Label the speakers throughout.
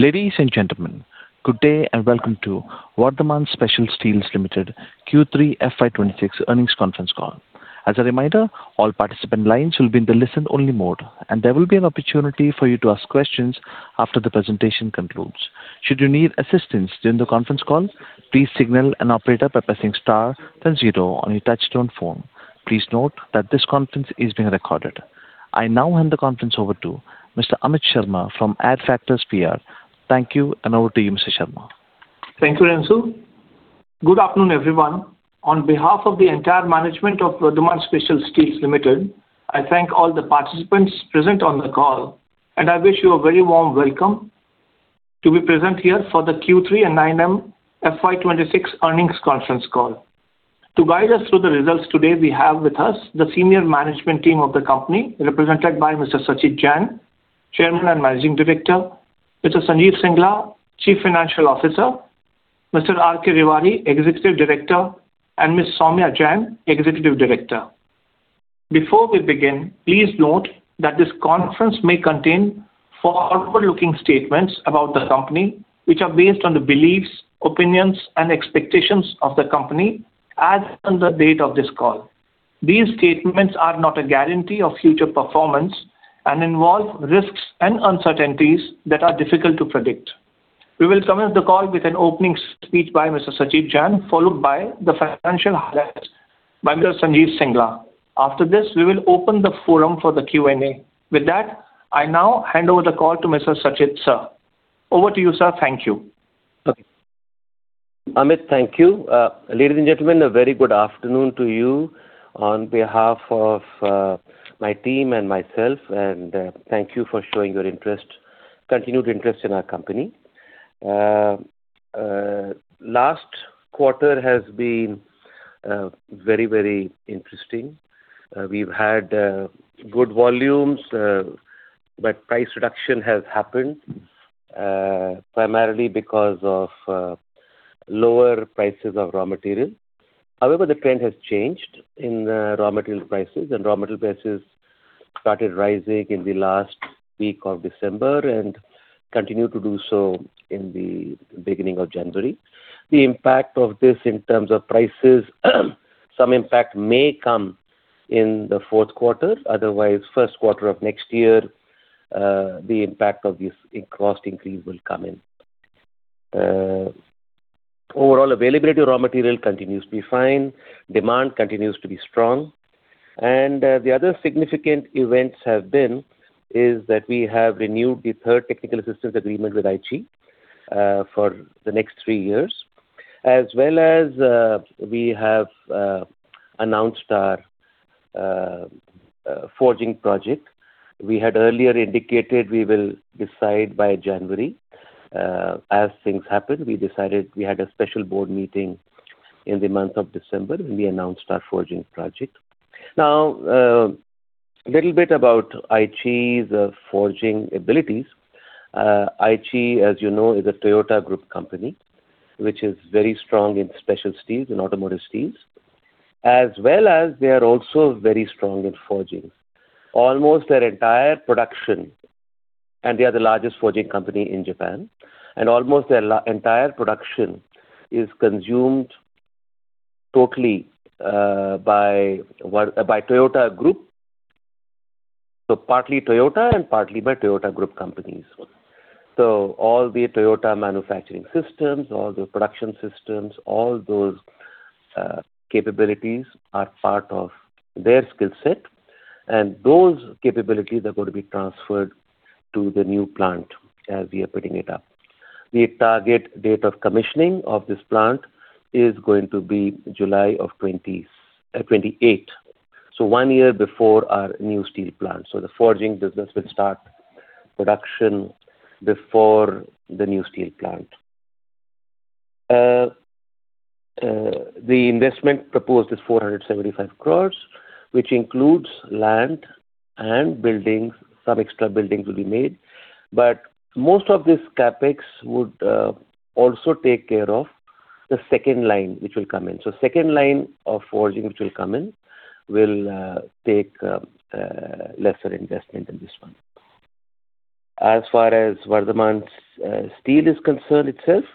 Speaker 1: Ladies and gentlemen, good day and welcome to Vardhman Special Steels Limited Q3 FY 2026 Earnings Conference Call. As a reminder, all participant lines will be in the listen-only mode, and there will be an opportunity for you to ask questions after the presentation concludes. Should you need assistance during the conference call, please signal an operator by pressing star then zero on your touch-tone phone. Please note that this conference is being recorded. I now hand the conference over to Mr. Amit Sharma from Adfactors PR. Thank you, and over to you, Mr. Sharma.
Speaker 2: Thank you, Renju. Good afternoon, everyone. On behalf of the entire management of Vardhman Special Steels Limited, I thank all the participants present on the call, and I wish you a very warm welcome to be present here for the Q3 and 9M FY 2026 Earnings Conference Call. To guide us through the results today, we have with us the senior management team of the company, represented by Mr. Sachit Jain, Chairman and Managing Director, Mr. Sanjeev Singla, Chief Financial Officer, Mr. R.K. Rewari, Executive Director, and Ms. Soumya Jain, Executive Director. Before we begin, please note that this conference may contain forward-looking statements about the company, which are based on the beliefs, opinions, and expectations of the company as of the date of this call. These statements are not a guarantee of future performance and involve risks and uncertainties that are difficult to predict. We will commence the call with an opening speech by Mr. Sachit Jain, followed by the financial highlights by Mr. Sanjeev Singla. After this, we will open the forum for the Q&A. With that, I now hand over the call to Mr. Sachit. Sir, over to you, sir. Thank you.
Speaker 3: Okay. Amit, thank you. Ladies and gentlemen, a very good afternoon to you on behalf of my team and myself, and thank you for showing your interest, continued interest in our company. Last quarter has been very, very interesting. We've had good volumes, but price reduction has happened primarily because of lower prices of raw material. However, the trend has changed in raw material prices, and raw material prices started rising in the last week of December and continued to do so in the beginning of January. The impact of this in terms of prices, some impact may come in the fourth quarter. Otherwise, first quarter of next year, the impact of this cost increase will come in. Overall, availability of raw material continues to be fine. Demand continues to be strong. And the other significant events have been that we have renewed the third technical assistance agreement with Aichi for the next three years, as well as we have announced our forging project. We had earlier indicated we will decide by January. As things happen, we decided we had a special board meeting in the month of December, and we announced our forging project. Now, a little bit about Aichi's forging abilities. Aichi, as you know, is a Toyota Group company, which is very strong in special steels and automotive steels, as well as they are also very strong in forging. Almost their entire production, and they are the largest forging company in Japan, and almost their entire production is consumed totally by Toyota Group, so partly Toyota and partly by Toyota Group companies. So all the Toyota manufacturing systems, all the production systems, all those capabilities are part of their skill set, and those capabilities are going to be transferred to the new plant as we are putting it up. The target date of commissioning of this plant is going to be July of 2028, so one year before our new steel plant. So the forging business will start production before the new steel plant. The investment proposed is 475 crores, which includes land and buildings. Some extra buildings will be made, but most of this CapEx would also take care of the second line, which will come in. So the second line of forging, which will come in, will take lesser investment than this one. As far as Vardhman Steel is concerned itself,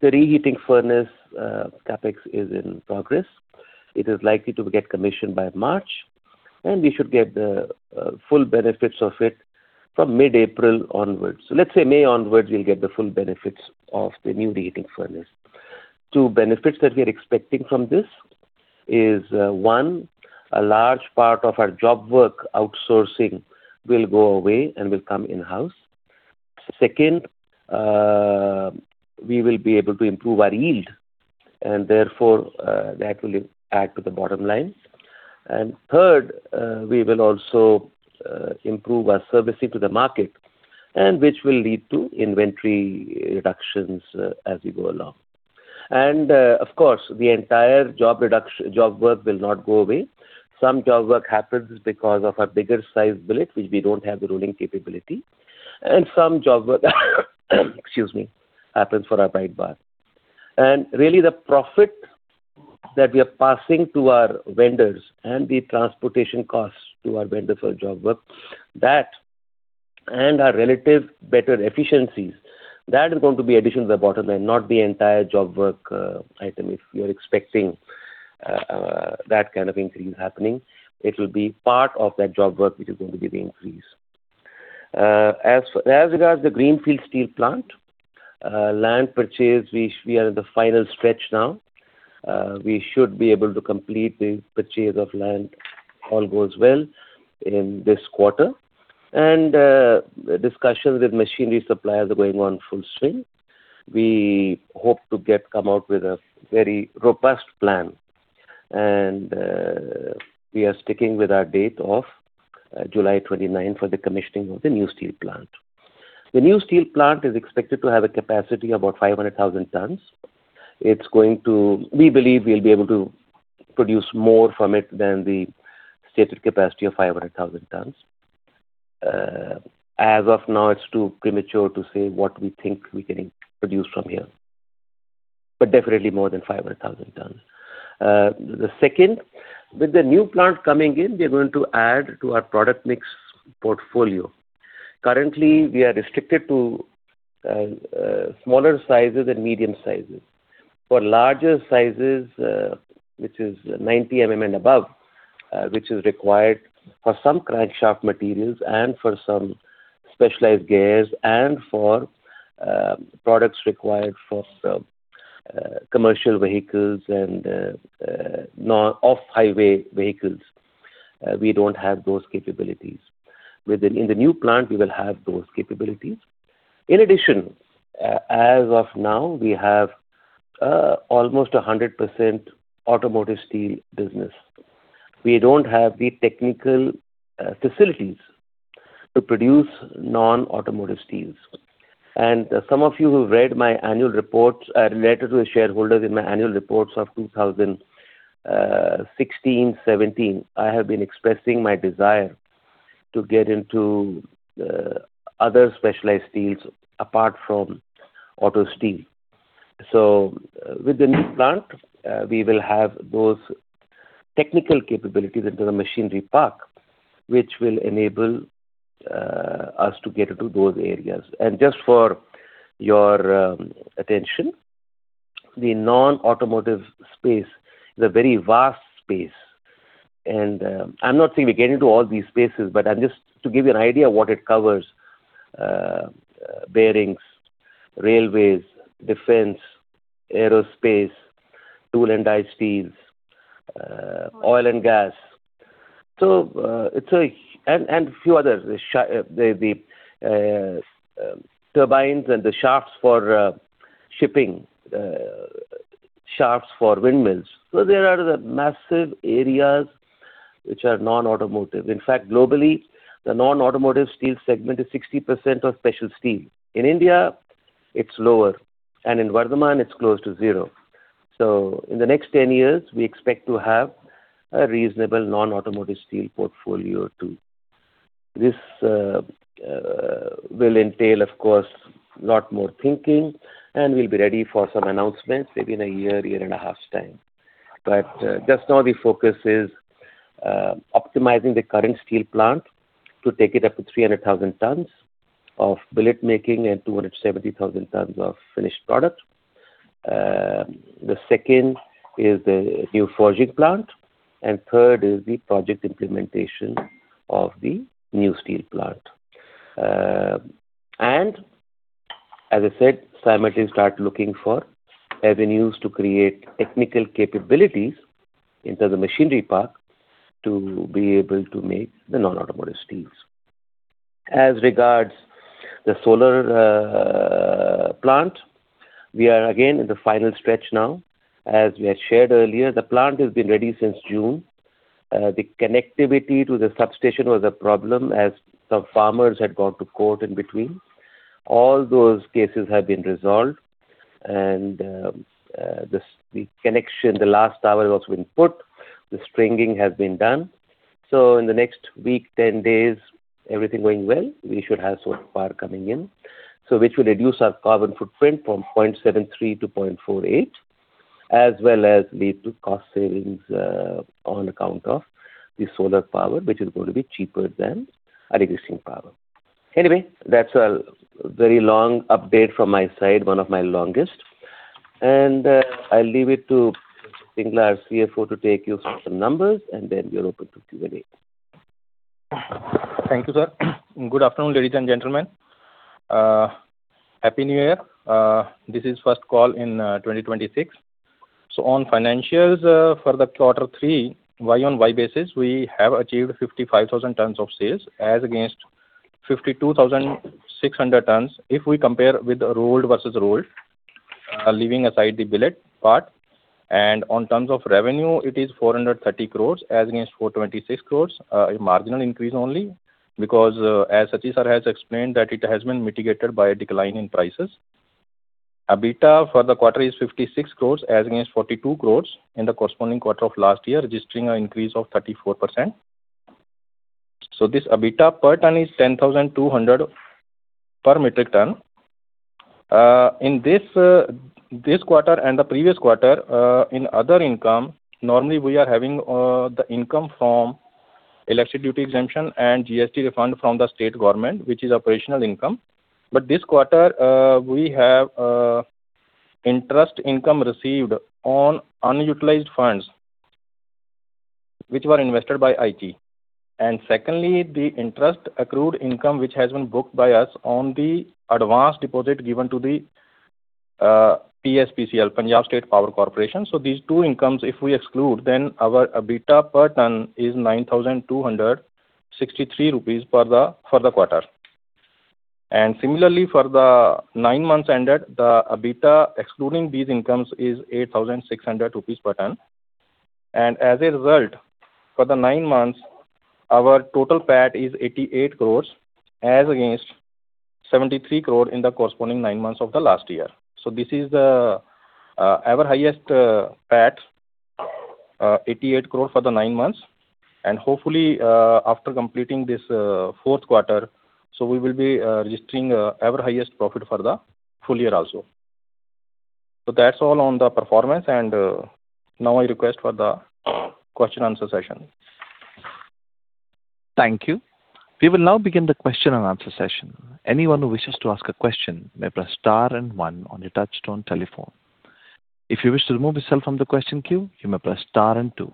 Speaker 3: the reheating furnace CapEx is in progress. It is likely to get commissioned by March, and we should get the full benefits of it from mid-April onwards. So let's say May onwards, we'll get the full benefits of the new reheating furnace. Two benefits that we are expecting from this is, one, a large part of our job work outsourcing will go away and will come in-house. Second, we will be able to improve our yield, and therefore that will add to the bottom line. And third, we will also improve our servicing to the market, which will lead to inventory reductions as we go along. And of course, the entire job work will not go away. Some job work happens because of our bigger size billets, which we don't have the rolling capability, and some job work, excuse me, happens for our bright bar. Really, the profit that we are passing to our vendors and the transportation costs to our vendors for job work, that and our relative better efficiencies, that is going to be addition to the bottom line, not the entire job work item. If you're expecting that kind of increase happening, it will be part of that job work, which is going to be the increase. As regards the greenfield steel plant, land purchase, we are in the final stretch now. We should be able to complete the purchase of land, all goes well, in this quarter. Discussions with machinery suppliers are going on full swing. We hope to come out with a very robust plan, and we are sticking with our date of July 29 for the commissioning of the new steel plant. The new steel plant is expected to have a capacity of about 500,000 tons. We believe we'll be able to produce more from it than the stated capacity of 500,000 tons. As of now, it's too premature to say what we think we can produce from here, but definitely more than 500,000 tons. The second, with the new plant coming in, we are going to add to our product mix portfolio. Currently, we are restricted to smaller sizes and medium sizes. For larger sizes, which is 90 and above, which is required for some crankshaft materials and for some specialized gears and for products required for commercial vehicles and off-highway vehicles, we don't have those capabilities. In the new plant, we will have those capabilities. In addition, as of now, we have almost 100% automotive steel business. We don't have the technical facilities to produce non-automotive steels. Some of you who've read my annual reports to the shareholders in my annual reports of 2016, 2017. I have been expressing my desire to get into other specialized steels apart from auto steel. With the new plant, we will have those technical capabilities into the machinery park, which will enable us to get into those areas. Just for your attention, the non-automotive space is a very vast space. I'm not saying we get into all these spaces, but I'm just to give you an idea of what it covers: bearings, railways, defense, aerospace, tool and die steels, oil and gas. A few others: the turbines and the shafts for shipping, shafts for windmills. There are the massive areas which are non-automotive. In fact, globally, the non-automotive steel segment is 60% of special steel. In India, it's lower, and in Vardhman, it's close to zero. So in the next 10 years, we expect to have a reasonable non-automotive steel portfolio too. This will entail, of course, a lot more thinking, and we'll be ready for some announcements maybe in a year, year and a half's time. But just now, the focus is optimizing the current steel plant to take it up to 300,000 tons of billet making and 270,000 tons of finished product. The second is the new forging plant, and third is the project implementation of the new steel plant. And as I said, management is starting to look for avenues to create technical capabilities into the machinery park to be able to make the non-automotive steels. As regards the solar plant, we are again in the final stretch now. As we had shared earlier, the plant has been ready since June. The connectivity to the substation was a problem as some farmers had gone to court in between. All those cases have been resolved, and the connection, the last tower has been put, the stringing has been done. So in the next week, 10 days, everything going well, we should have solar power coming in, which will reduce our carbon footprint from 0.73 to 0.48, as well as lead to cost savings on account of the solar power, which is going to be cheaper than our existing power. Anyway, that's a very long update from my side, one of my longest. And I'll leave it to Singla, our CFO, to take you through some numbers, and then we're open to Q&A.
Speaker 4: Thank you, sir. Good afternoon, ladies and gentlemen. Happy New Year. This is the first call in 2026. So on financials for the quarter three, Y on Y basis, we have achieved 55,000 tons of sales as against 52,600 tons if we compare with rolled versus rolled, leaving aside the billet part. And on terms of revenue, it is 430 crores as against 426 crores, a marginal increase only, because as Sachit sir has explained, it has been mitigated by a decline in prices. EBITDA for the quarter is 56 crores as against 42 crores in the corresponding quarter of last year, registering an increase of 34%. So this EBITDA per ton is 10,200 per metric ton. In this quarter and the previous quarter, in other income, normally we are having the income from electric duty exemption and GST refund from the state government, which is operational income. But this quarter, we have interest income received on unutilized funds which were invested by Aichi. And secondly, the interest accrued income which has been booked by us on the advance deposit given to the PSPCL, Punjab State Power Corporation. So these two incomes, if we exclude, then our EBITDA per ton is 9,263 rupees for the quarter. And similarly, for the nine months ended, the EBITDA excluding these incomes is 8,600 rupees per ton. And as a result, for the nine months, our total PAT is 88 crores as against 73 crores in the corresponding nine months of the last year. So this is the ever-highest PAT, 88 crores for the nine months. And hopefully, after completing this fourth quarter, we will be registering ever-highest profit for the full year also. So that's all on the performance. And now I request for the question-answer session.
Speaker 1: Thank you. We will now begin the question-and-answer session. Anyone who wishes to ask a question may press star and one on the touch-tone telephone. If you wish to remove yourself from the question queue, you may press star and two.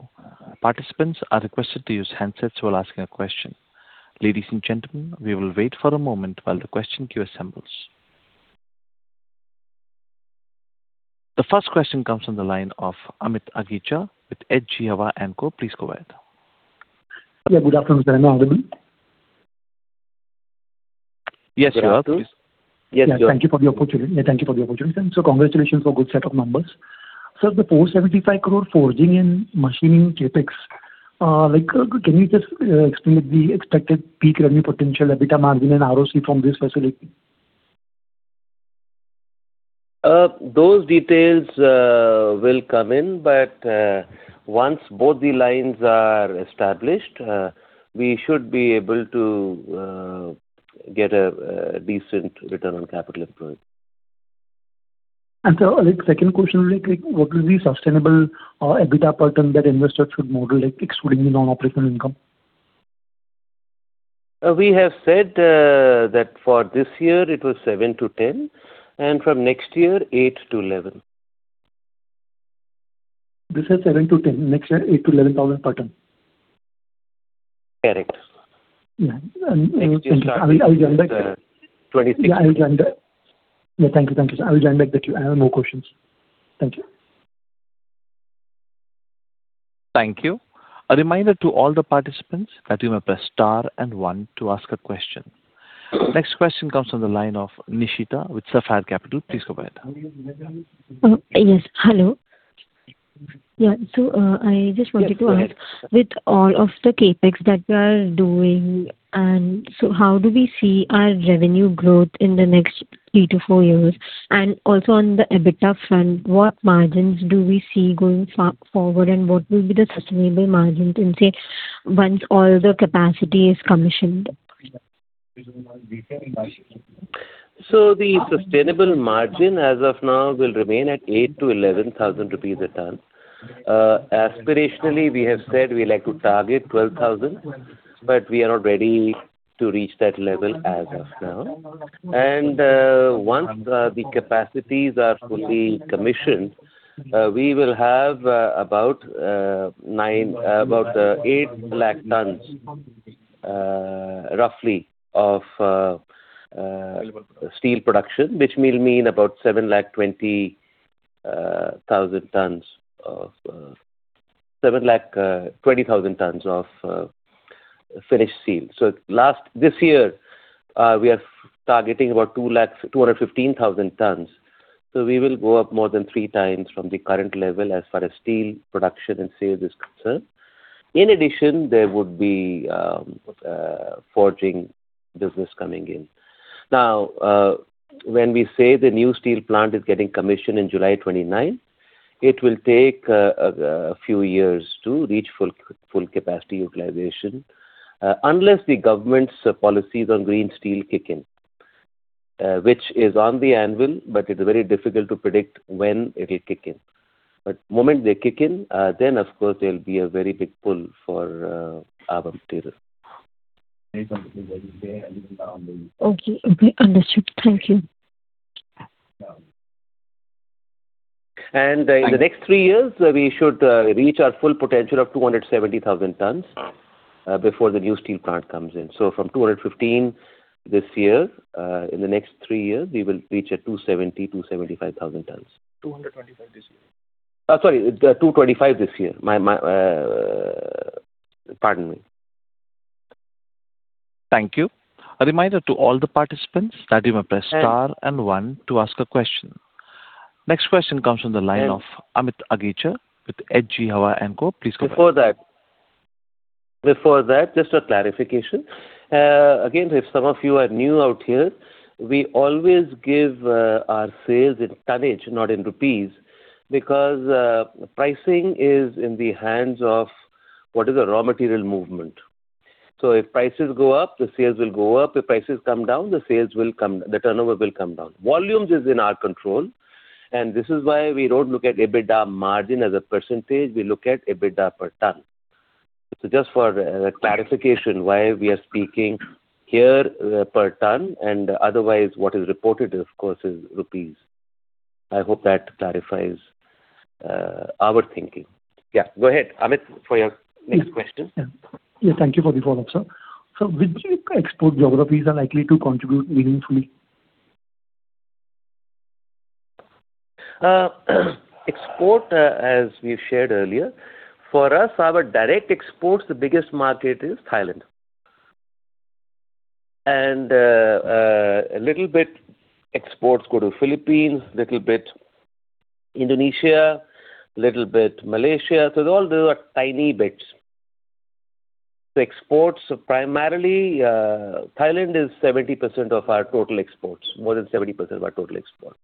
Speaker 1: Participants are requested to use handsets while asking a question. Ladies and gentlemen, we will wait for a moment while the question queue assembles. The first question comes from the line of Amit Agicha with HG Hawa & Co. Please go ahead.
Speaker 5: Yeah, good afternoon, sir. Am I audible?
Speaker 3: Yes, you are.
Speaker 5: Thank you for the opportunity. Congratulations for a good set of numbers. Sir, the 475 crore forging and machining CapEx, can you just explain the expected peak revenue potential, EBITDA margin, and ROC from this facility?
Speaker 3: Those details will come in, but once both the lines are established, we should be able to get a decent return on capital employed.
Speaker 5: Sir, second question, what will be the sustainable EBITDA pattern that investors should model, excluding the non-operational income?
Speaker 3: We have said that for this year, it was 7,000-10,000, and from next year, 8,000-11,000.
Speaker 5: This is 7,000-10,000, next year 8,000-11,000 per ton?
Speaker 3: Correct.
Speaker 5: Yeah. I'll join back.
Speaker 3: 26.
Speaker 5: Yeah. I'll join back. Yeah. Thank you. Thank you, sir. I'll join back with you. I have no questions. Thank you.
Speaker 1: Thank you. A reminder to all the participants that you may press star and one to ask a question. Next question comes from the line of Nishita with Sapphire Capital. Please go ahead.
Speaker 6: Yes. Hello. Yeah. So I just wanted to ask, with all of the CapEx that we are doing, and so how do we see our revenue growth in the next three to four years? And also on the EBITDA front, what margins do we see going forward, and what will be the sustainable margin in, say, once all the capacity is commissioned?
Speaker 3: So the sustainable margin as of now will remain at 8,000-11,000 rupees a ton. Aspirationally, we have said we like to target 12,000, but we are not ready to reach that level as of now. And once the capacities are fully commissioned, we will have about 8 lakh tons, roughly, of steel production, which will mean about 720,000 tons of finished steel. So this year, we are targeting about 215,000 tons. So we will go up more than three times from the current level as far as steel production and sales is concerned. In addition, there would be forging business coming in. Now, when we say the new steel plant is getting commissioned on July 29, it will take a few years to reach full capacity utilization unless the government's policies on green steel kick in, which is on the anvil, but it is very difficult to predict when it will kick in, but the moment they kick in, then, of course, there will be a very big pull for our materials.
Speaker 5: Okay. Understood. Thank you.
Speaker 3: In the next three years, we should reach our full potential of 270,000 tons before the new steel plant comes in. From 215,000 this year, in the next three years, we will reach 270,000, 275,000 tons.
Speaker 4: 225 this year.
Speaker 3: Sorry, 225 this year. Pardon me.
Speaker 1: Thank you. A reminder to all the participants that you may press star and one to ask a question. Next question comes from the line of [Amit Aghija] with Edelweiss & Co. Please go ahead.
Speaker 3: Before that, just a clarification. Again, if some of you are new out here, we always give our sales in tonnage, not in rupees, because pricing is in the hands of what is a raw material movement. So if prices go up, the sales will go up. If prices come down, the sales will come down. The turnover will come down. Volume is in our control. And this is why we don't look at EBITDA margin as a percentage. We look at EBITDA per ton. So just for clarification, why we are speaking here per ton, and otherwise, what is reported, of course, is rupees. I hope that clarifies our thinking. Yeah. Go ahead, Amit, for your next question.
Speaker 5: Yeah. Thank you for the follow-up, sir. So which export geographies are likely to contribute meaningfully?
Speaker 3: Export, as we shared earlier, for us, our direct exports, the biggest market is Thailand. And a little bit exports go to the Philippines, a little bit Indonesia, a little bit Malaysia. So all those are tiny bits. So exports primarily, Thailand is 70% of our total exports, more than 70% of our total exports.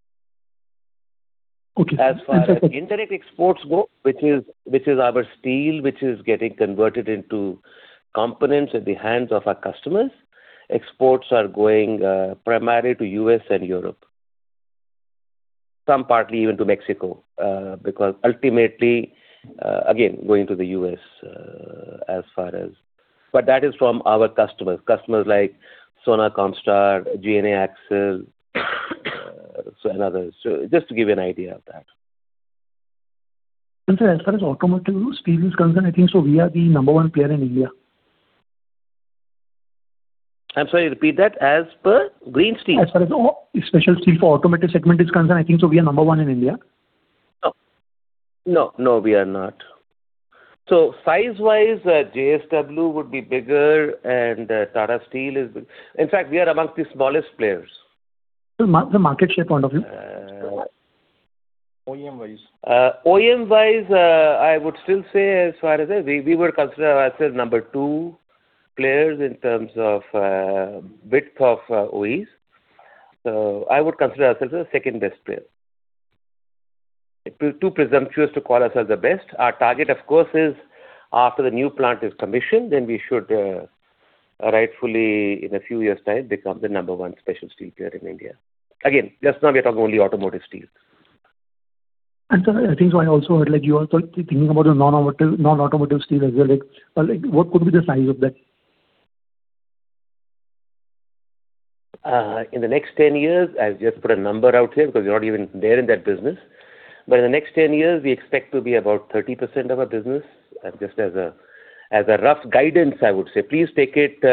Speaker 5: Okay.
Speaker 3: As far as indirect exports go, which is our steel, which is getting converted into components at the hands of our customers, exports are going primarily to the U.S. and Europe, some partly even to Mexico, because ultimately, again, going to the U.S. as far as. But that is from our customers, customers like Sona Comstar, GNA Axles, and others. So just to give you an idea of that.
Speaker 5: Sir, as far as automotive steel is concerned, I think so we are the number one player in India.
Speaker 3: I'm sorry, repeat that. As per green steel?
Speaker 5: As far as special steel for automotive segment is concerned, I think so we are number one in India.
Speaker 3: No. No. No, we are not. So size-wise, JSW would be bigger, and Tata Steel is bigger. In fact, we are amongst the smallest players.
Speaker 5: From a market share point of view?
Speaker 3: OEM-wise? OEM-wise, I would still say, as far as we were concerned ourselves number two players in terms of width of OEs. So I would consider ourselves the second best player. Too presumptuous to call ourselves the best. Our target, of course, is after the new plant is commissioned, then we should rightfully, in a few years' time, become the number one special steel player in India. Again, just now we are talking only automotive steel.
Speaker 5: Sir, I think so I also heard you were thinking about the non-automotive steel as well. What would be the size of that?
Speaker 3: In the next 10 years, I've just put a number out here because we're not even there in that business. But in the next 10 years, we expect to be about 30% of our business, just as a rough guidance, I would say. Please take it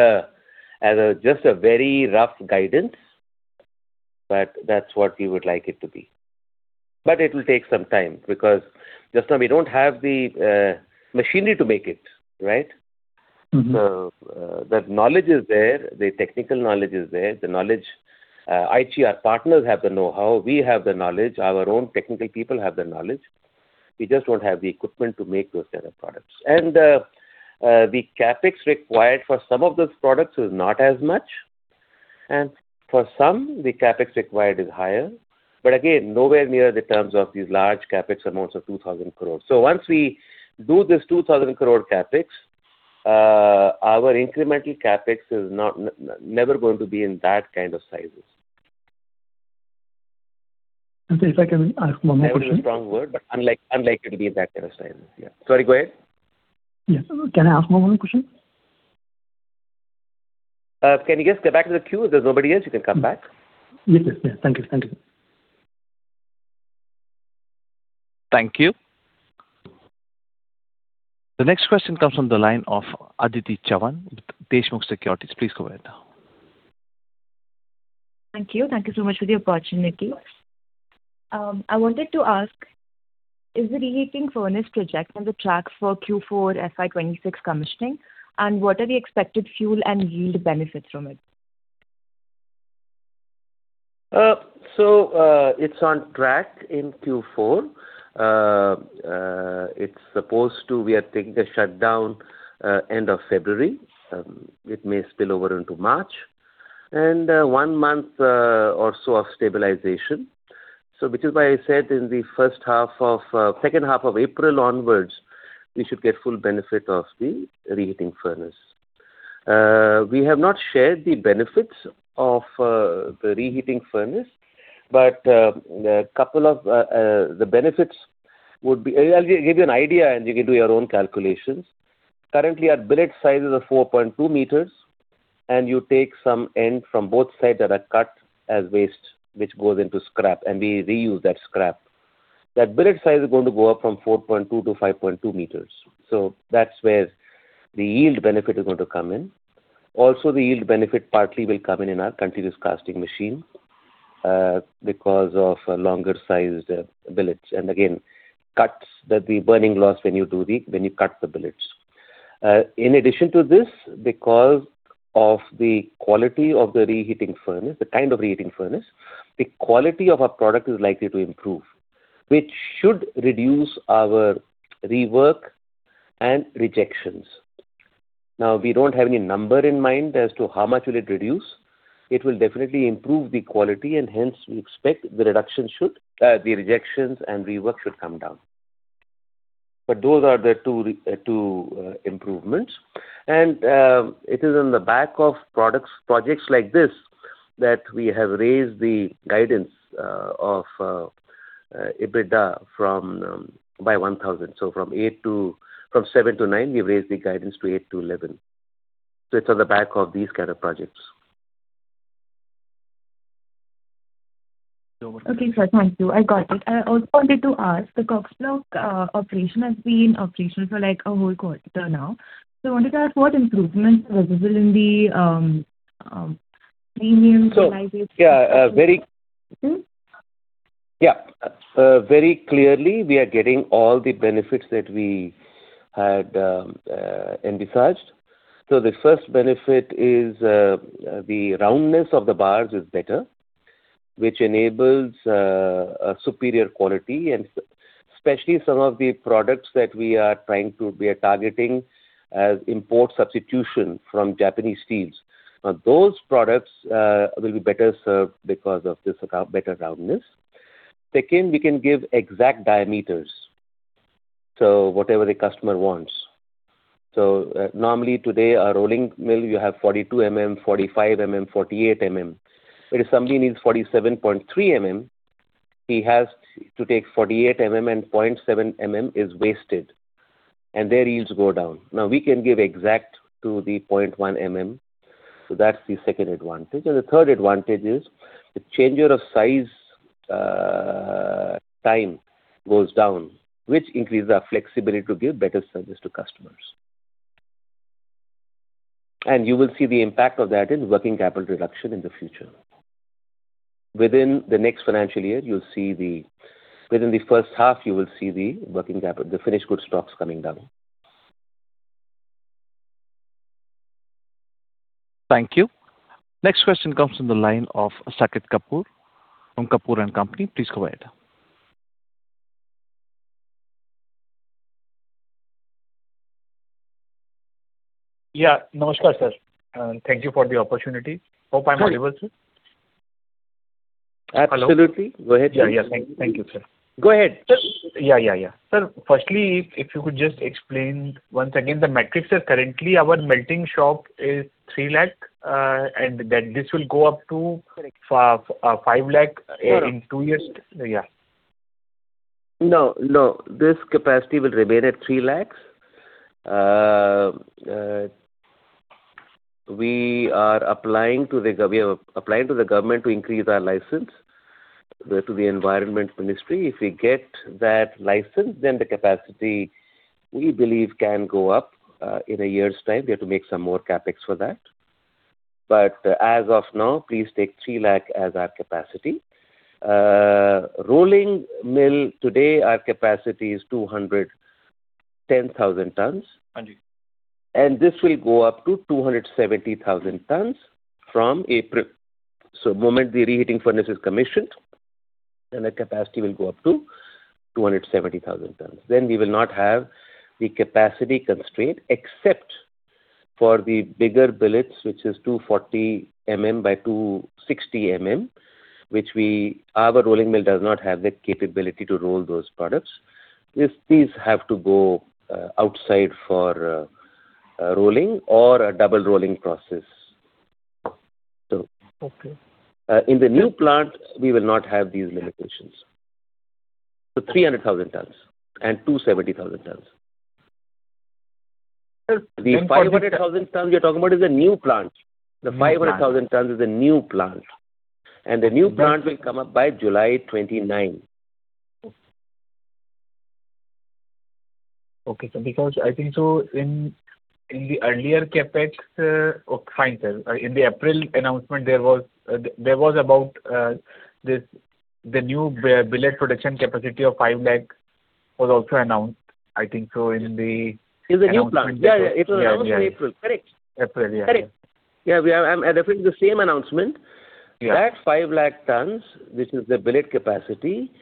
Speaker 3: as just a very rough guidance, but that's what we would like it to be. But it will take some time because just now we don't have the machinery to make it, right? So that knowledge is there. The technical knowledge is there. IT, our partners have the know-how. We have the knowledge. Our own technical people have the knowledge. We just don't have the equipment to make those kinds of products. And the CapEx required for some of those products is not as much. And for some, the CapEx required is higher. But again, nowhere near the terms of these large CapEx amounts of 2,000 crores. So once we do this 2,000-crore CapEx, our incremental CapEx is never going to be in that kind of sizes. Sir, if I can ask one more question? That is a strong word, but unlikely to be in that kind of size. Yeah. Sorry, go ahead.
Speaker 5: Yes. Can I ask one more question?
Speaker 3: Can you just get back to the queue? There's nobody else. You can come back.
Speaker 5: Yes. Yes. Yes. Thank you. Thank you.
Speaker 1: Thank you. The next question comes from the line of Aditi Chavan with Deshmukh Securities. Please go ahead.
Speaker 7: Thank you. Thank you so much for the opportunity. I wanted to ask, is the reheating furnace project on track for Q4 FY26 commissioning, and what are the expected fuel and yield benefits from it?
Speaker 3: So it's on track in Q4. It's supposed to be at the shutdown end of February. It may spill over into March and one month or so of stabilization. So which is why I said in the second half of April onwards, we should get full benefit of the reheating furnace. We have not shared the benefits of the reheating furnace, but a couple of the benefits would be I'll give you an idea, and you can do your own calculations. Currently, our billet size is 4.2 m, and you take some end from both sides that are cut as waste, which goes into scrap, and we reuse that scrap. That billet size is going to go up from 4.2 to 5.2 m. So that's where the yield benefit is going to come in. Also, the yield benefit partly will come in our continuous casting machine because of longer-sized billets, and again, cuts down the burning loss when you cut the billets. In addition to this, because of the quality of the reheating furnace, the kind of reheating furnace, the quality of our product is likely to improve, which should reduce our rework and rejections. Now, we don't have any number in mind as to how much will it reduce. It will definitely improve the quality, and hence, we expect the reduction should the rejections and rework should come down. Those are the two improvements, and it is on the back of projects like this that we have raised the guidance of EBITDA by 1,000. From seven to nine, we've raised the guidance to eight to 11. It's on the back of these kinds of projects.
Speaker 7: Okay. Sir, thank you. I got it. I also wanted to ask, the Kocks Block operation has been operational for a whole quarter now. So I wanted to ask what improvements are visible in the premium?
Speaker 3: So, yeah, very clearly, we are getting all the benefits that we had envisaged. So the first benefit is the roundness of the bars is better, which enables a superior quality, and especially some of the products that we are trying to be targeting as import substitution from Japanese steels. Now, those products will be better served because of this better roundness. Second, we can give exact diameters, so whatever the customer wants. So normally today, a rolling mill, you have 42, 45, 48. If somebody needs 47.3 he has to take 48 and 0.7 is wasted, and their yields go down. Now, we can give exact to the 0.1. So that's the second advantage. And the third advantage is the changer of size time goes down, which increases our flexibility to give better service to customers. You will see the impact of that in working capital reduction in the future. Within the next financial year, you'll see, within the first half, the working capital, the finished goods stocks coming down.
Speaker 1: Thank you. Next question comes from the line of Saket Kapoor from Kapoor & Company. Please go ahead.
Speaker 8: Yeah. No, no, no. Sir, thank you for the opportunity. Hope I'm able to.
Speaker 3: Absolutely. Go ahead.
Speaker 8: Yeah. Yeah. Thank you, sir.
Speaker 3: Go ahead.
Speaker 8: Sir, firstly, if you could just explain once again the metrics. Currently, our melting shop is inr 3 lakh, and then this will go up to inr 5 lakh in two years.
Speaker 3: No, no. This capacity will remain at 3 lakh. We are applying to the government to increase our license to the Environment Ministry. If we get that license, then the capacity, we believe, can go up in a year's time. We have to make some more CapEx for that. But as of now, please take 3 lakh as our capacity. Rolling mill, today, our capacity is 210,000 tons. And this will go up to 270,000 tons from April. So the moment the reheating furnace is commissioned, then the capacity will go up to 270,000 tons. Then we will not have the capacity constraint except for the bigger billets, which is 240 by 260 which our rolling mill does not have the capability to roll those products. These have to go outside for rolling or a double rolling process. In the new plant, we will not have these limitations. 300,000 tons and 270,000 tons. The 500,000 tons we are talking about is the new plant. The 500,000 tons is the new plant. The new plant will come up by July 29.
Speaker 8: Okay. Sir, because I think so in the earlier CapEx. In the April announcement, there was about the new billet production capacity of 5 lakh was also announced, I think so in the.
Speaker 3: In the new plant.
Speaker 8: Yeah. It was in April. Correct. April, yeah. Correct.
Speaker 3: Yeah. I'm referring to the same announcement that 5 lakh tons, which is the billet capacity,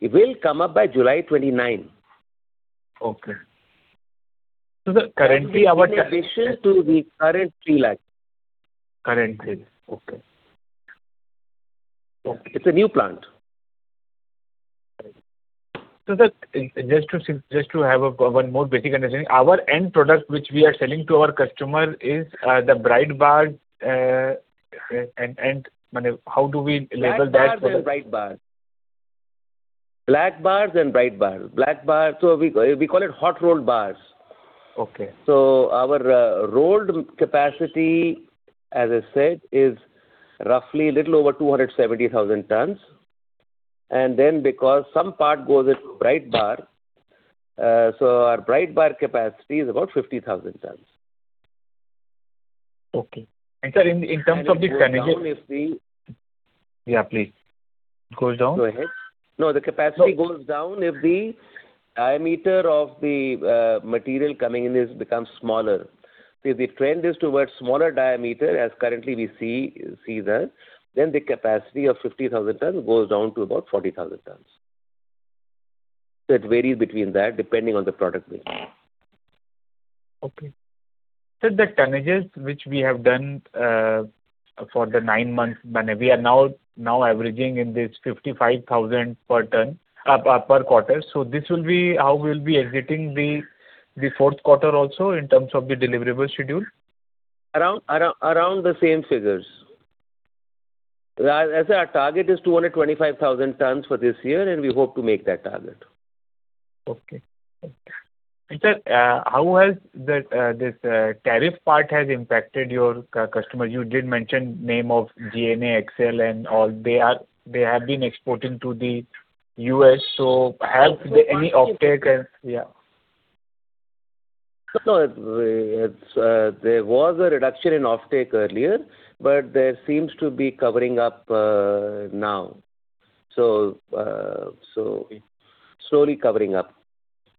Speaker 3: will come up by July 29.
Speaker 8: Okay. So, sir. Currently, our cap.
Speaker 3: In addition to the current INR 3 lakh.
Speaker 8: Currently. Okay.
Speaker 3: It's a new plant.
Speaker 8: So sir, just to have one more basic understanding, our end product, which we are selling to our customer, is the bright bars. And how do we label that?
Speaker 3: What is bright bars? Black bars and bright bars. Black bars. So we call it hot rolled bars. So our rolled capacity, as I said, is roughly a little over 270,000 tons. And then because some part goes into bright bar, so our bright bar capacity is about 50,000 tons.
Speaker 8: Okay. Sir, in terms of the.
Speaker 3: Go ahead.
Speaker 8: Yeah, please. Goes down?
Speaker 3: Go ahead. No, the capacity goes down if the diameter of the material coming in becomes smaller. If the trend is towards smaller diameter, as currently we see there, then the capacity of 50,000 tons goes down to about 40,000 tons. So it varies between that depending on the product we have.
Speaker 8: Okay. Sir, the tonnages which we have done for the nine months, we are now averaging in this 55,000 per quarter. So this will be how we'll be exiting the fourth quarter also in terms of the deliverable schedule?
Speaker 3: Around the same figures. As our target is 225,000 tons for this year, and we hope to make that target.
Speaker 8: Okay. And sir, how has this tariff part impacted your customers? You did mention name of GNA Axles, and all. They have been exporting to the U.S. So have there been any offtake?
Speaker 3: No. Yeah. No, there was a reduction in offtake earlier, but there seems to be covering up now. So slowly covering up,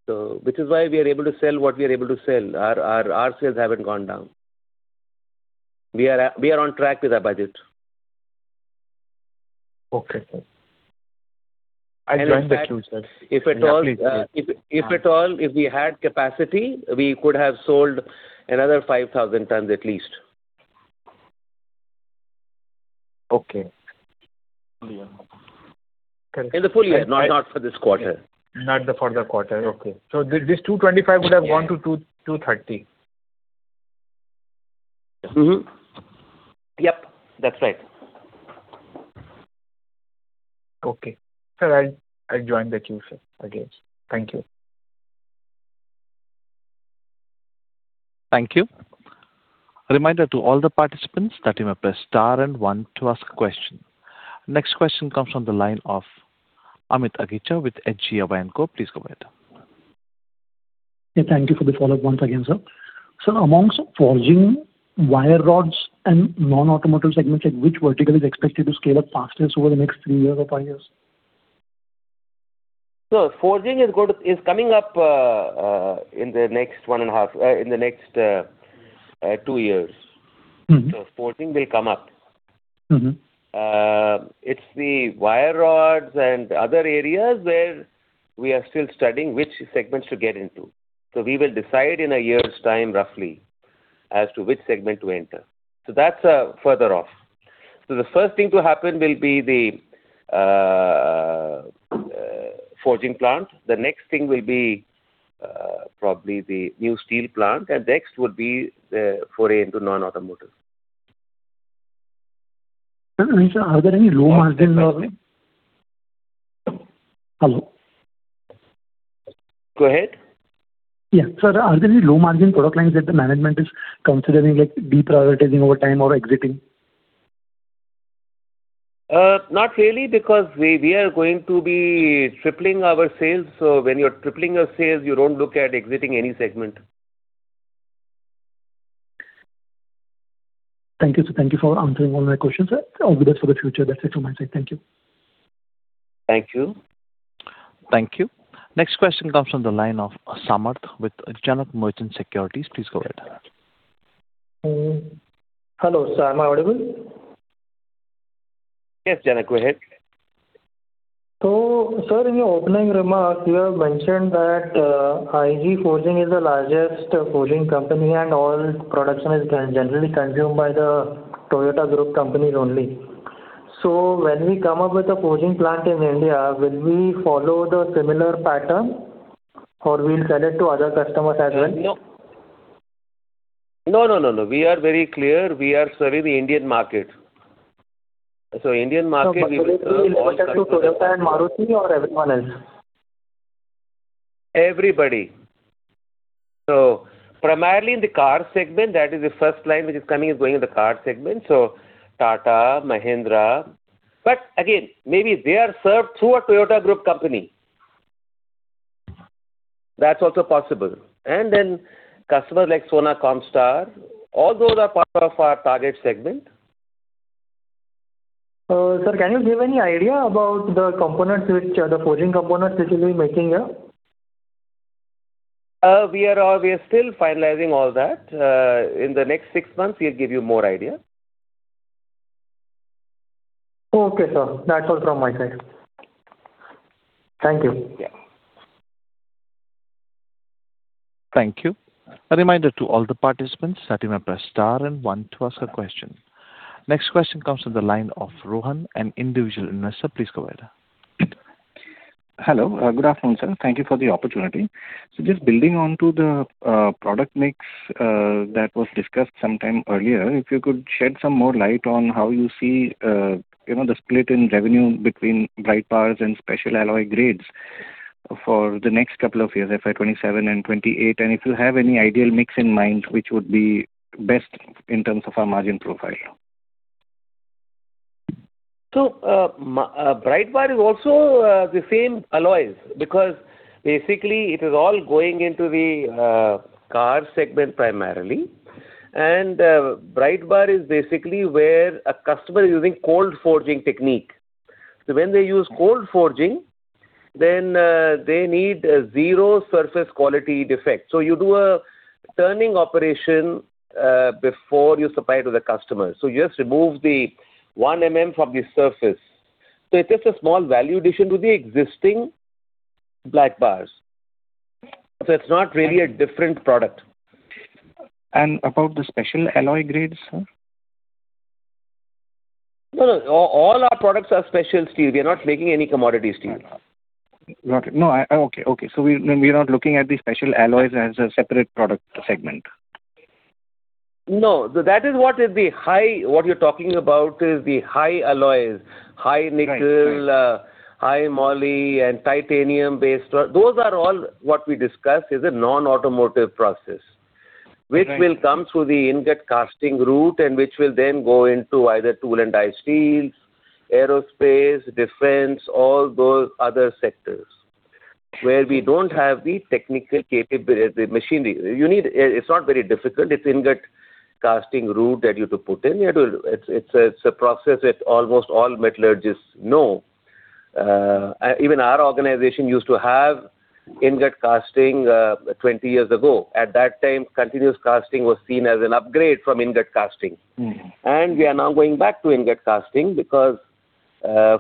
Speaker 3: which is why we are able to sell what we are able to sell. Our sales haven't gone down. We are on track with our budget.
Speaker 8: Okay. I'll try to.
Speaker 3: If at all, if we had capacity, we could have sold another 5,000 tons at least.
Speaker 8: Okay.
Speaker 3: In the full year, not for this quarter.
Speaker 8: Not for the quarter. Okay. This 225 would have gone to 230.
Speaker 3: Yep. That's right.
Speaker 8: Okay. Sir, I'll join the queue, sir, again. Thank you.
Speaker 1: Thank you. Reminder to all the participants that you may press star and one to ask a question. Next question comes from the line of Amit Aghija with Edelweiss. Please go ahead.
Speaker 5: Yeah. Thank you for the follow-up once again, sir. Sir, amongst forging, wire rods, and non-automotive segments, which vertical is expected to scale up faster over the next three years or five years?
Speaker 3: So forging is coming up in the next one and a half in the next two years. So forging will come up. It's the wire rods and other areas where we are still studying which segments to get into. So we will decide in a year's time roughly as to which segment to enter. So that's further off. So the first thing to happen will be the forging plant. The next thing will be probably the new steel plant, and next would be foray into non-automotive.
Speaker 5: Sir, are there any low-margin? Hello?
Speaker 3: Go ahead.
Speaker 5: Yeah. Sir, are there any low-margin product lines that the management is considering deprioritizing over time or exiting?
Speaker 3: Not really because we are going to be tripling our sales. So when you're tripling your sales, you don't look at exiting any segment.
Speaker 5: Thank you, sir. Thank you for answering all my questions, sir. I'll do that for the future. That's it from my side. Thank you.
Speaker 3: Thank you.
Speaker 1: Thank you. Next question comes from the line of Samarth with Janak Merchant Securities. Please go ahead.
Speaker 9: Hello. Sir, am I audible?
Speaker 3: Yes, Janak. Go ahead.
Speaker 9: So, sir, in your opening remarks, you have mentioned that Aichi Forging is the largest forging company, and all production is generally consumed by the Toyota Group companies only. So when we come up with a forging plant in India, will we follow the similar pattern, or will we sell it to other customers as well?
Speaker 3: No, no, no, no. We are very clear. We are serving the Indian market. So Indian market, we will.
Speaker 9: So for the Toyota and Maruti or everyone else?
Speaker 3: Everybody. So primarily in the car segment, that is the first line which is coming is going in the car segment. So Tata, Mahindra. But again, maybe they are served through a Toyota Group company. That's also possible. And then customers like Sona Comstar, all those are part of our target segment.
Speaker 9: Sir, can you give any idea about the components, the forging components which you'll be making here?
Speaker 3: We are still finalizing all that. In the next six months, we'll give you more idea.
Speaker 9: Okay, sir. That's all from my side. Thank you.
Speaker 1: Thank you. A reminder to all the participants that you may press star and one to ask a question. Next question comes from the line of Rohan, an individual investor. Please go ahead.
Speaker 10: Hello. Good afternoon, sir. Thank you for the opportunity. So just building onto the product mix that was discussed sometime earlier, if you could shed some more light on how you see the split in revenue between bright bars and special alloy grades for the next couple of years, FY 2027 and 2028, and if you have any ideal mix in mind, which would be best in terms of our margin profile?
Speaker 3: Bright bar is also the same alloys because basically, it is all going into the car segment primarily. Bright bar is basically where a customer is using cold forging technique. When they use cold forging, then they need zero surface quality defect. You do a turning operation before you supply it to the customer. You just remove the one from the surface. It is just a small value addition to the existing black bars. It is not really a different product.
Speaker 10: About the special alloy grades, sir?
Speaker 3: No, no. All our products are special steel. We are not making any commodity steel.
Speaker 10: Got it. No, okay. Okay. So we are not looking at the special alloys as a separate product segment.
Speaker 3: No. So what you're talking about is the high alloys, high nickel, high moly, and titanium-based. Those are all what we discuss is a non-automotive process, which will come through the ingot casting route and which will then go into either tool and die steels, aerospace, defense, all those other sectors where we don't have the technical capability, the machinery. It's not very difficult. It's ingot casting route that you put in. It's a process that almost all metallurgists know. Even our organization used to have ingot casting 20 years ago. At that time, continuous casting was seen as an upgrade from ingot casting. And we are now going back to ingot casting because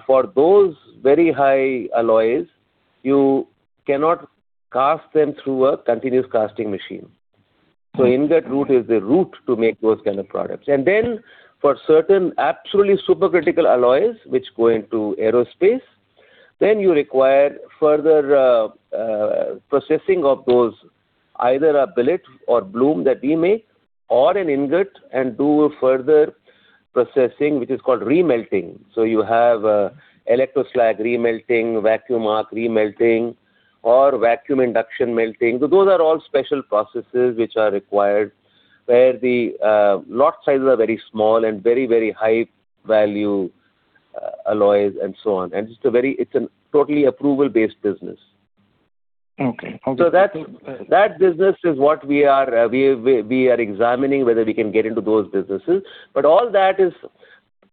Speaker 3: for those very high alloys, you cannot cast them through a continuous casting machine. So ingot route is the route to make those kind of products. And then for certain absolutely super critical alloys, which go into aerospace, then you require further processing of those, either a billet or bloom that we make or an ingot and do further processing, which is called remelting. So you have electroslag remelting, vacuum arc remelting, or vacuum induction melting. Those are all special processes which are required where the lot sizes are very small and very, very high value alloys and so on. And it's a totally approval-based business.
Speaker 8: Okay. Okay.
Speaker 3: So that business is what we are examining whether we can get into those businesses. But all that is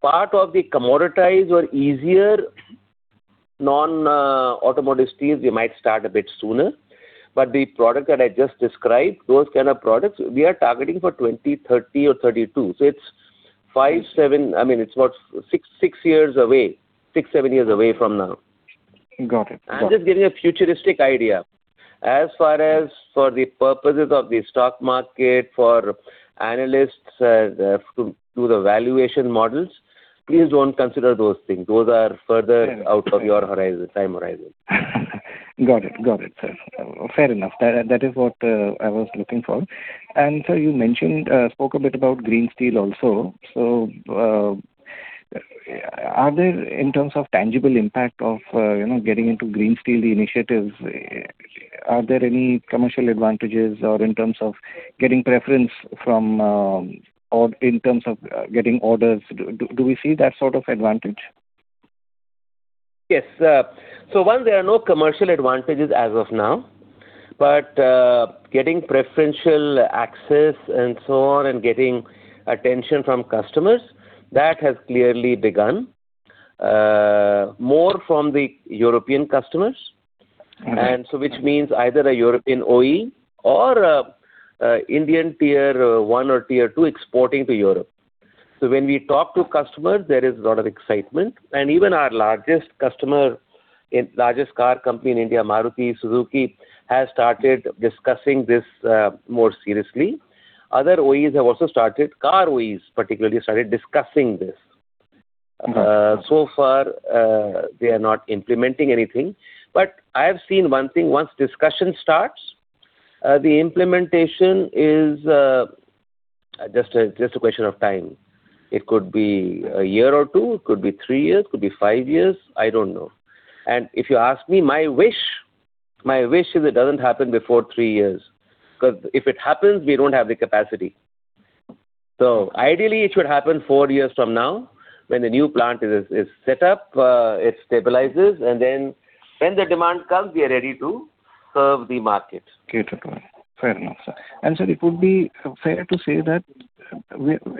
Speaker 3: part of the commoditized or easier non-automotive steels. We might start a bit sooner. But the product that I just described, those kind of products, we are targeting for 2030 or 2032. So it's five, seven I mean, it's about six years away, six, seven years away from now.
Speaker 10: Got it.
Speaker 3: I'm just giving a futuristic idea. As far as for the purposes of the stock market for analysts to do the valuation models, please don't consider those things. Those are further out of your time horizon.
Speaker 10: Got it. Got it, sir. Fair enough. That is what I was looking for, and sir, you spoke a bit about green steel also, so in terms of tangible impact of getting into green steel initiatives, are there any commercial advantages or in terms of getting preference in terms of getting orders? Do we see that sort of advantage?
Speaker 3: Yes, so one, there are no commercial advantages as of now. But getting preferential access and so on and getting attention from customers, that has clearly begun more from the European customers, which means either a European OE or an Indian tier one or tier two exporting to Europe. When we talk to customers, there is a lot of excitement. And even our largest car company in India, Maruti Suzuki, has started discussing this more seriously. Other OEs have also started, car OEs particularly, started discussing this. So far, they are not implementing anything. But I have seen one thing: once discussion starts, the implementation is just a question of time. It could be a year or two. It could be three years. It could be five years. I don't know. And if you ask me, my wish is it doesn't happen before three years because if it happens, we don't have the capacity. So ideally, it should happen four years from now when the new plant is set up, it stabilizes, and then when the demand comes, we are ready to serve the market.
Speaker 10: Okay. Fair enough, sir. And sir, it would be fair to say that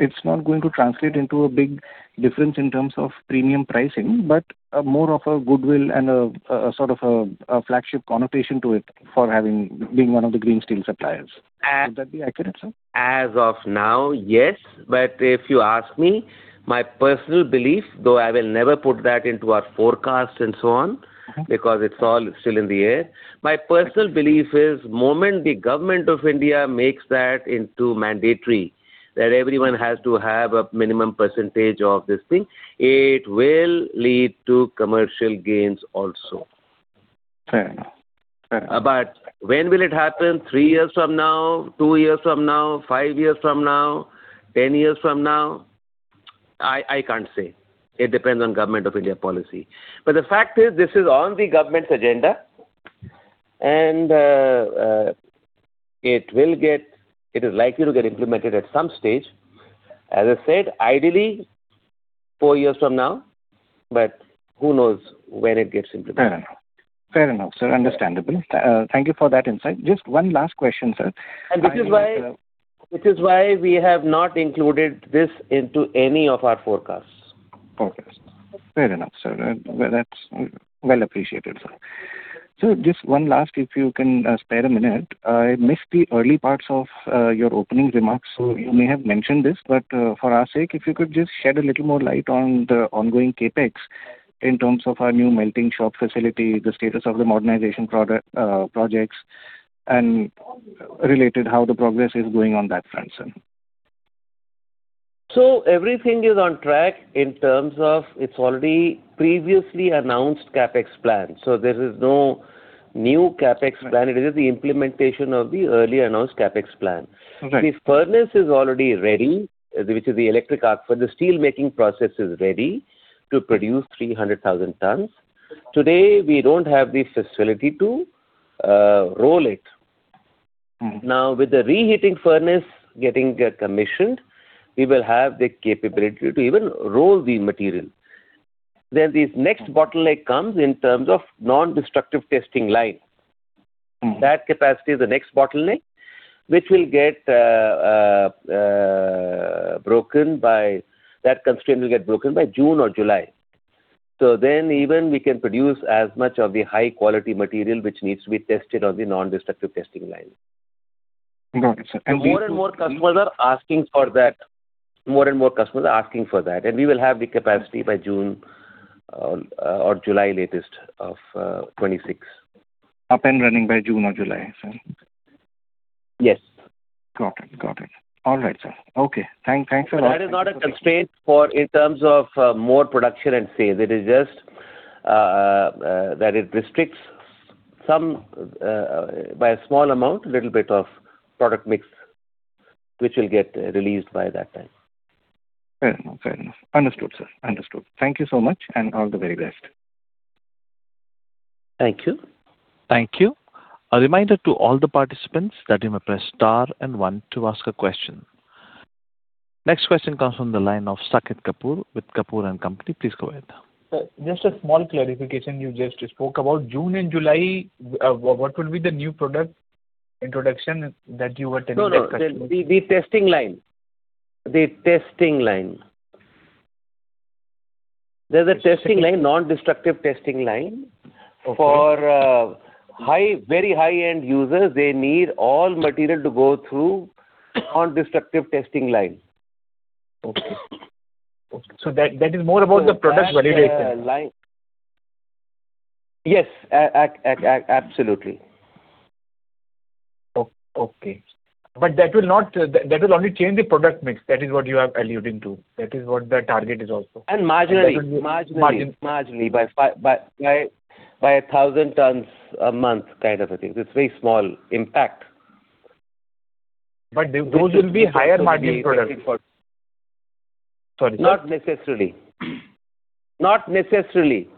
Speaker 10: it's not going to translate into a big difference in terms of premium pricing, but more of a goodwill and a sort of a flagship connotation to it for being one of the green steel suppliers. Would that be accurate, sir?
Speaker 3: As of now, yes. But if you ask me, my personal belief, though I will never put that into our forecast and so on because it's all still in the air, my personal belief is the moment the Government of India makes that into mandatory that everyone has to have a minimum percentage of this thing, it will lead to commercial gains also.
Speaker 10: Fair enough. Fair enough.
Speaker 3: But when will it happen? Three years from now, two years from now, five years from now, ten years from now? I can't say. It depends on Government of India policy. But the fact is this is on the government's agenda, and it is likely to get implemented at some stage. As I said, ideally, four years from now, but who knows when it gets implemented?
Speaker 10: Fair enough. Fair enough, sir. Understandable. Thank you for that insight. Just one last question, sir.
Speaker 3: This is why we have not included this into any of our forecasts.
Speaker 10: Okay. Fair enough, sir. That's well appreciated, sir. Sir, just one last, if you can spare a minute. I missed the early parts of your opening remarks. You may have mentioned this, but for our sake, if you could just shed a little more light on the ongoing CapEx in terms of our new melting shop facility, the status of the modernization projects, and related how the progress is going on that front, sir.
Speaker 3: So everything is on track in terms of it's already previously announced CapEx plan. So there is no new CapEx plan. It is the implementation of the early announced CapEx plan. The furnace is already ready, which is the electric arc for the steel-making process is ready to produce 300,000 tons. Today, we don't have the facility to roll it. Now, with the reheating furnace getting commissioned, we will have the capability to even roll the material. Then this next bottleneck comes in terms of non-destructive testing line. That capacity is the next bottleneck, which will get broken by that constraint by June or July. So then even we can produce as much of the high-quality material which needs to be tested on the non-destructive testing line.
Speaker 10: Got it, sir. And we...
Speaker 3: More and more customers are asking for that. And we will have the capacity by June or July latest of 2026.
Speaker 10: Up and running by June or July, sir?
Speaker 3: Yes.
Speaker 10: Got it. Got it. All right, sir. Okay. Thanks a lot.
Speaker 3: That is not a constraint in terms of more production and sales. It is just that it restricts by a small amount, a little bit of product mix which will get released by that time.
Speaker 10: Fair enough. Fair enough. Understood, sir. Understood. Thank you so much, and all the very best.
Speaker 3: Thank you.
Speaker 1: Thank you. A reminder to all the participants that you may press star and one to ask a question. Next question comes from the line of Saket Kapoor with Kapoor & Company. Please go ahead.
Speaker 8: Just a small clarification. You just spoke about June and July. What will be the new product introduction that you were telling the customer?
Speaker 3: No. The testing line. There's a testing line, non-destructive testing line. For very high-end users, they need all material to go through non-destructive testing line.
Speaker 8: Okay. Okay, so that is more about the product validation.
Speaker 3: Yes. Absolutely.
Speaker 8: Okay. Okay. But that will only change the product mix. That is what you are alluding to. That is what the target is also.
Speaker 3: Marginally by 1,000 tons a month, kind of a thing. It's a very small impact, but those will be higher margin products.
Speaker 8: Sorry, sir.
Speaker 3: Not necessarily. Not necessarily.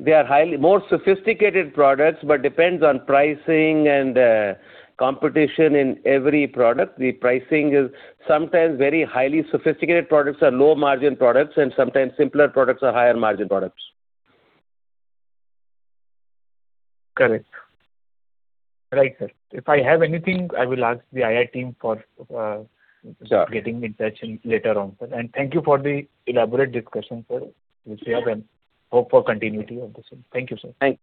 Speaker 3: They are more sophisticated products, but depends on pricing and competition in every product. The pricing is sometimes very highly sophisticated products are low-margin products, and sometimes simpler products are higher-margin products.
Speaker 8: Correct.
Speaker 3: Right, sir. If I have anything, I will ask the IR team for getting in touch later on, sir.
Speaker 8: And thank you for the elaborate discussion, sir, which we have and hope for continuity of this thing. Thank you, sir. Thank you.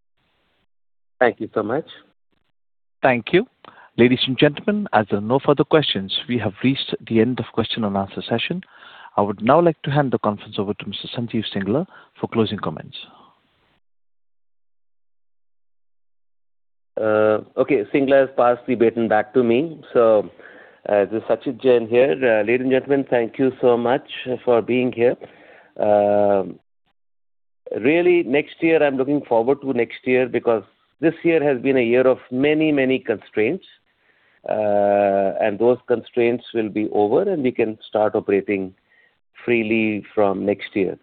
Speaker 3: Thank you so much.
Speaker 1: Thank you. Ladies and gentlemen, as there are no further questions, we have reached the end of the question and answer session. I would now like to hand the conference over to Mr. Sanjeev Singla for closing comments.
Speaker 3: Okay. Singla has passed the baton back to me. This is Sachit Jain here. Ladies and gentlemen, thank you so much for being here. Really, next year, I'm looking forward to next year because this year has been a year of many, many constraints, and those constraints will be over, and we can start operating freely from next year.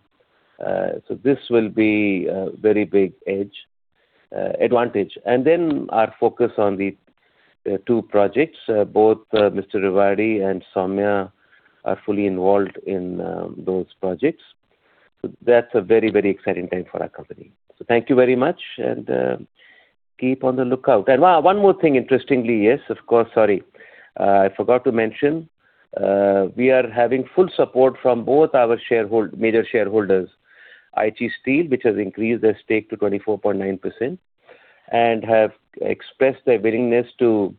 Speaker 3: This will be a very big edge, advantage. Then our focus on the two projects, both Mr. Rewari and Soumya are fully involved in those projects. That's a very, very exciting time for our company. Thank you very much, and keep on the lookout. One more thing, interestingly, yes, of course, sorry, I forgot to mention, we are having full support from both our major shareholders, Aichi Steel, which has increased their stake to 24.9%, and have expressed their willingness to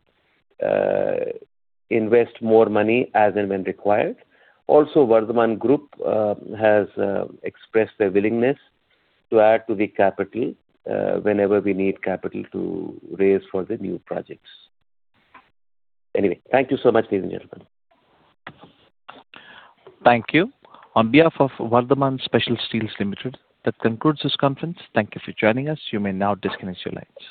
Speaker 3: invest more money as and when required. Also, Vardhman Group has expressed their willingness to add to the capital whenever we need capital to raise for the new projects. Anyway, thank you so much, ladies and gentlemen.
Speaker 1: Thank you. On behalf of Vardhman Special Steels Limited, that concludes this conference. Thank you for joining us. You may now disconnect your lines.